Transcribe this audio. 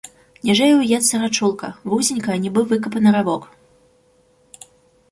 Ніжэй уецца рачулка, вузенькая, нібы выкапаны равок.